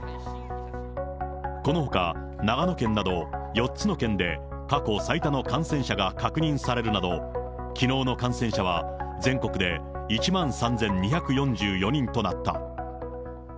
このほか、長野県など４つの県で過去最多の感染者が確認されるなど、きのうの感染者は、全国で１万３２４４人となった。